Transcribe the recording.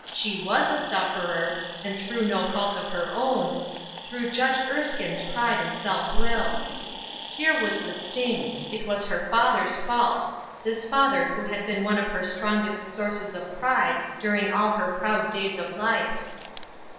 She was a sufferer, and through no fault of her own, through Judge Erskine's pride and self will. Here was the sting — it was her father's fault — this father who had been one of her strongest sources of pride during all her proud days of life.